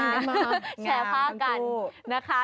แชร์ผ้ากันนะคะ